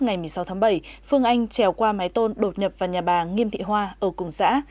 ngày một mươi sáu tháng bảy phương anh trèo qua mái tôn đột nhập vào nhà bà nghiêm thị hoa ở cùng xã